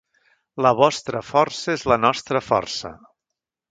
La vostra força és la nostra força!